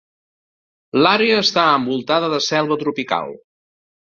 L'àrea està envoltada de selva tropical.